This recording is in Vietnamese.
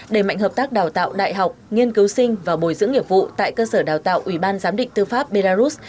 đẩy mạnh hợp tác đào tạo đại học nghiên cứu sinh và bồi dưỡng nghiệp vụ tại cơ sở đào tạo ủy ban giám định tư pháp belarus